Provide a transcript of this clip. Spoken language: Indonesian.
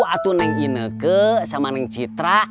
itu yang ini sama yang ini